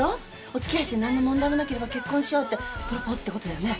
お付き合いして何の問題もなければ結婚しようってプロポーズってことだよね？